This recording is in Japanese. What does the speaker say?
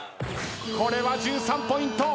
これは１３ポイント。